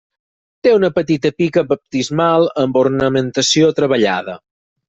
Té una petita pica baptismal amb ornamentació treballada.